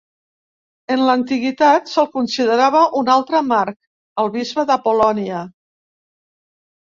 En l'antiguitat, se'l considerava un altre Mark, el bisbe d'Apol·lònia.